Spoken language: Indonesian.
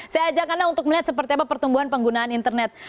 saya ajak anda untuk melihat seperti apa pertumbuhan penggunaan internet